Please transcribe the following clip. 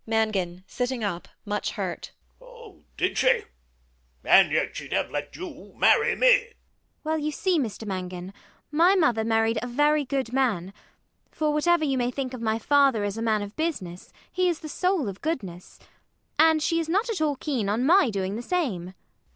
MANGAN [sitting up, much hurt]. Oh! did she? And yet she'd have let you marry me. ELLIE. Well, you see, Mr Mangan, my mother married a very good man for whatever you may think of my father as a man of business, he is the soul of goodness and she is not at all keen on my doing the same.